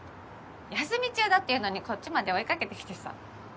休み中だっていうのにこっちまで追いかけてきてさ。